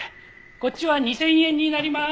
こっちは２０００円になりまーす。